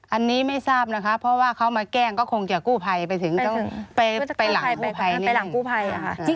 อันนี้ไม่ทราบนะคะเพราะว่าเขามาแกล้งก็คงจะกู้ภัยไปถึงต้องไปหลังกู้ภัย